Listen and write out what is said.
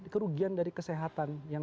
kerugian dari kesehatan yang